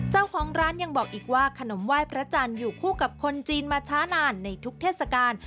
เจ้าของร้านยังบอกอีกว่าขนมไหว้พระจันทร์อยู่คู่กับคนจีนมาช้านานในทุกเทศกาล